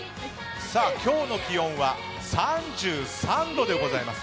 今日の気温は３３度でございます。